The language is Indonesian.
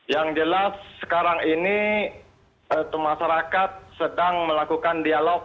yang jelas sekarang ini masyarakat sedang melakukan dialog